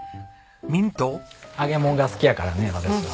ミント？揚げもんが好きやからね私は。